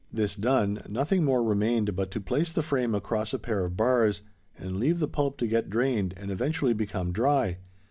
This done, nothing more remained but to place the frame across a pair of bars, and leave the pulp to get drained and eventually become dry.